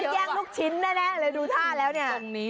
แย่งลูกชิ้นแน่เลยดูท่าแล้วเนี่ย